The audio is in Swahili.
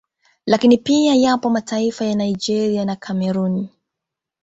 Lakini pia yapo mataifa ya Nigeria na Cameroon